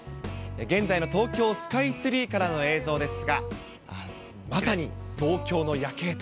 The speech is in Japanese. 現在の東京スカイツリーからの映像ですが、まさに東京の夜景と。